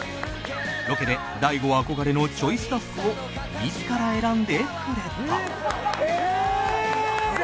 ロケで大悟憧れのちょい菅田服を自ら選んでくれた